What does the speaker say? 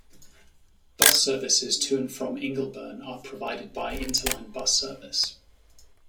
Bus services to and from Ingleburn are provided by Interline bus service.